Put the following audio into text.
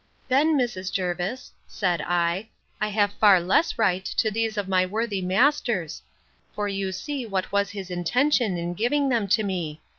Then, Mrs. Jervis, said I, I have far less right to these of my worthy master's; for you see what was his intention in giving them to me.